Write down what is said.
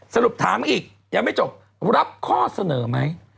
สรุปถามอีกยังไม่จบรับข้อเสนอไหม